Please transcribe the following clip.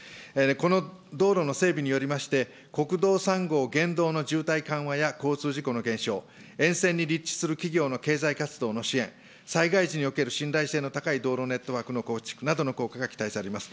この道路の整備によりまして、国道３号現道の渋滞緩和や、交通事故の減少、沿線に立地する企業の経済活動の支援、災害時における信頼性の高い道路ネットワークの構築などの効果が期待されます。